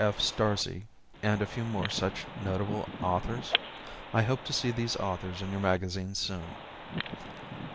F. Starzl, and a few more such notable authors? I hope to see these authors in your magazine soon.